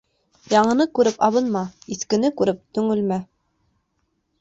Яңыны күреп абынма, иҫкене күреп төңөлмә.